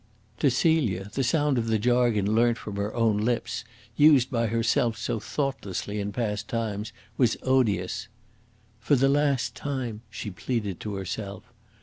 To Celia the sound of the jargon learnt from her own lips, used by herself so thoughtlessly in past times, was odious. "For the last time," she pleaded to herself.